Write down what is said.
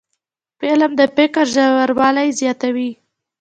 فلم د فکر ژوروالی زیاتوي